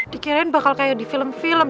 dikirim bakal kayak di film film